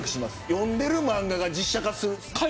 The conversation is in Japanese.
読んでる漫画が実写化する。